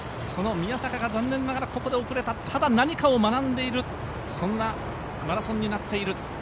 その宮坂が残念ながらここで後れた、ただ何かを学んでいる、そんなマラソンになっている。